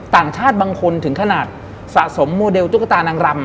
ต่างชาติบางคนถึงขนาดสะสมโมเดลตุ๊กตานางรำ